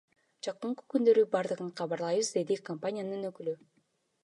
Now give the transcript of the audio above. Жакынкы күндөрү бардыгын кабарлайбыз, — деди компаниянын өкүлү.